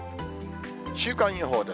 週間予報です。